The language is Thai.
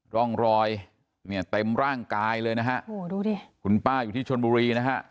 ร่องรอยเนี่ยเต็มร่างกายเลยนะฮะโอ้โหดูดิคุณป้าอยู่ที่ชนบุรีนะฮะ